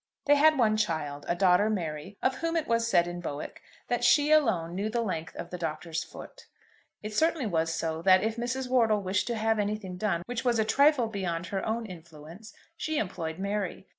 They had one child, a daughter, Mary, of whom it was said in Bowick that she alone knew the length of the Doctor's foot. It certainly was so that, if Mrs. Wortle wished to have anything done which was a trifle beyond her own influence, she employed Mary.